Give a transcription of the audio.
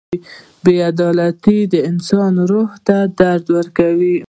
• بې عدالتي د انسان روح ته درد ورکوي.